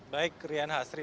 baik rian hasri